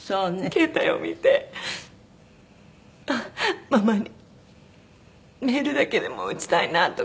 携帯を見てママにメールだけでも打ちたいなとか。